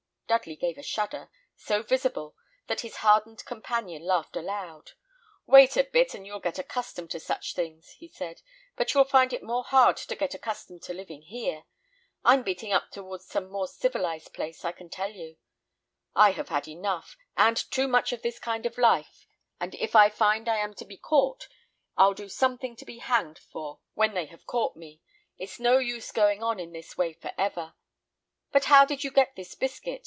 Dudley gave a shudder, so visible, that his hardened companion laughed aloud. "Wait a bit, and you'll get accustomed to such things," he said; "but you'll find it more hard to get accustomed to living here. I'm beating up towards some more civilised place, I can tell you; I have had enough, and too much of this kind of life, and if I find I am to be caught, I'll do something to be hanged for when they have caught me. It's no use going on in this way for ever but how did you get this biscuit?